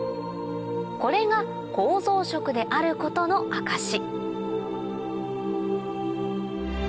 これが構造色であることの証し